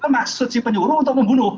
maksud si penyuruh untuk membunuh